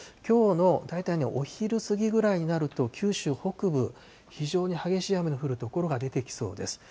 きょうの大体お昼過ぎくらいになると、九州北部、非常に激しい雨の降る所が出てきそうです。